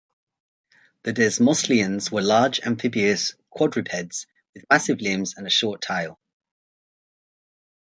The desmostylians were large amphibious quadrupeds with massive limbs and a short tail.